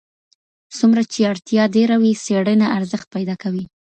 څومره چي اړتیا ډېره وي، څېړنه ارزښت پیدا کوي.